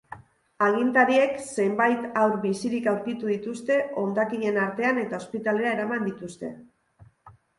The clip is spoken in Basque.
Agintariek zenbait haur bizirik aurkitu dituzte hondakinen artean eta ospitalera eraman dituzte.